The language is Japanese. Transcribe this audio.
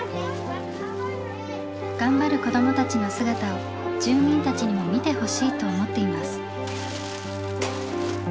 頑張る子どもたちの姿を住民たちにも見てほしいと思っています。